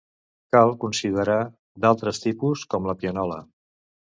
Cal considerar d'altres tipus, com la pianola.